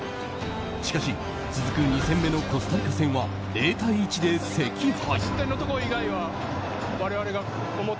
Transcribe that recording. しかし、続く２戦目のコスタリカ戦は０対１で惜敗。